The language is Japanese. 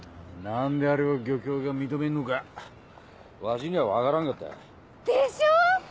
何であれを漁協が認めんのかわしには分からんかった。でしょう？